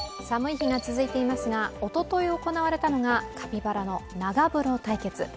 寒い日が続いていますがおととい行われたのがカピバラの長風呂対決。